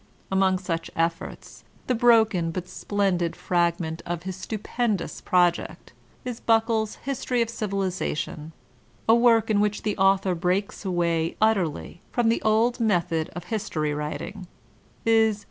Among such efforts, the broken but splendid fragment of his stupendous project, is Buckle's ''History of Civilization/' — a work in which the author breaks away utterly from the old method of history writing, viz.